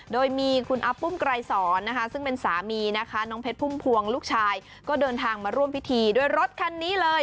โดยมีคุณอาปุ้มไกรสอนนะคะซึ่งเป็นสามีนะคะน้องเพชรพุ่มพวงลูกชายก็เดินทางมาร่วมพิธีด้วยรถคันนี้เลย